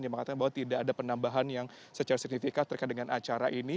dia mengatakan bahwa tidak ada penambahan yang secara signifikan terkait dengan acara ini